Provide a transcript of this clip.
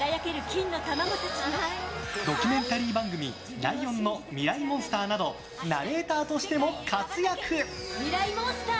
ドキュメンタリー番組「ライオンのミライ☆モンスター」などナレーターとしても活躍。